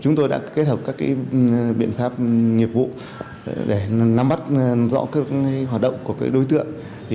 chúng tôi đã kết hợp các biện pháp nghiệp vụ để nắm bắt rõ các hoạt động của đối tượng